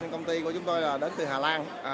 công ty của chúng tôi là đến từ hà lan